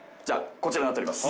こちらになっております。